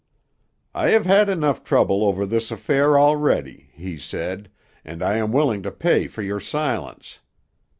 "'I have had enough trouble over this affair already,' he said, 'and I am willing to pay for your silence.